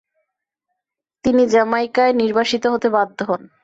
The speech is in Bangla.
তিনি জ্যামাইকায় নির্বাসিত হতে বাধ্য হন।